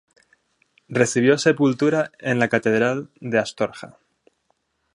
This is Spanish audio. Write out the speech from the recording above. Recibió sepultura en la Catedral de Astorga.